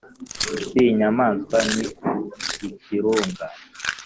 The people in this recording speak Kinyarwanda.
Si inyamaswa ni ikirunga